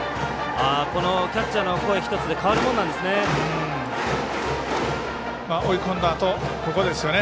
キャッチャーの声１つで変わるものなんですね。